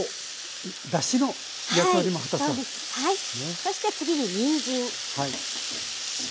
そして次ににんじん。